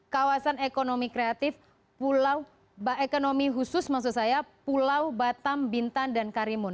kawasan ekonomi kreatif pulau ekonomi kreatif pulao batam bintan dan karimun